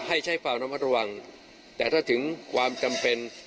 ให้ใช้ความระมัดระวังแต่ถ้าถึงความจำเป็น